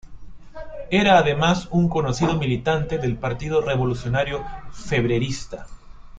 Era además un conocido militante del Partido Revolucionario Febrerista.